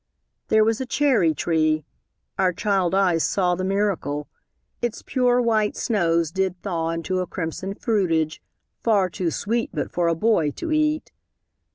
There was a cherry tree our child eyes saw The miracle: Its pure white snows did thaw Into a crimson fruitage, far too sweet But for a boy to eat.